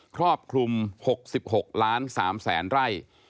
ครอบคลุม๖๖ล้าน๓แสนไร่